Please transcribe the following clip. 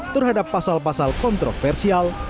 terhadap pasal pasal kontroversial